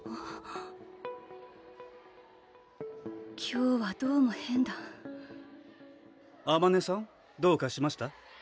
今日はどうも変だあまねさんどうかしました？